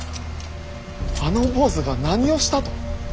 あの坊主が何をしたと！